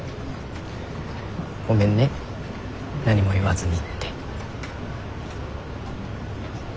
「ごめんね何も言わずに」って。